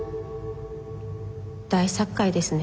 大殺界ですね。